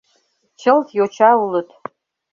Чылт йоча улыт.